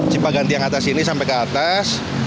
cipaganti yang atas ini sampai ke atas